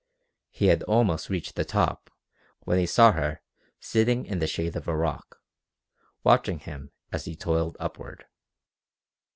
He had almost reached the top when he saw her sitting in the shade of a rock, watching him as he toiled upward.